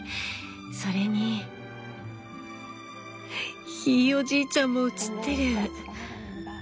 それにひいおじいちゃんも写ってる。